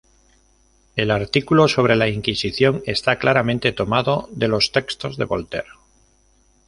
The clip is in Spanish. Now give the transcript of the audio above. El artículo sobre la Inquisición está claramente tomado de los textos de Voltaire.